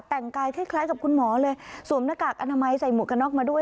แต่งกายคล้ายกับคุณหมอเลยสวมหน้ากากอนามัยใส่หมวกกระน็อกมาด้วย